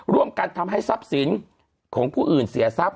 ร่วมกันทำให้ทรัพย์สินของผู้อื่นเสียทรัพย